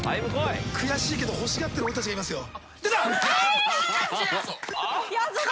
悔しいけど欲しがってる俺たちがいますよ。